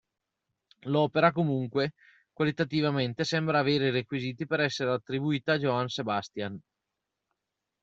L'opera, comunque, qualitativamente sembra avere i requisiti per essere attribuita a Johann Sebastian.